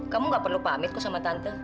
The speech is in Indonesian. kamu gak perlu pamit kok sama tante